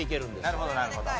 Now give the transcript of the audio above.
なるほどなるほど。